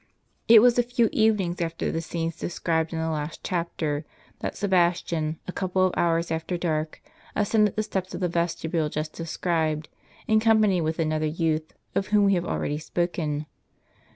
It was a few evenings after the scenes described in the last chapter, that Sebastian, a couple of hours after dark, ascended the steps of the vestibule just described, in company with another youth, of whom we have already spoken.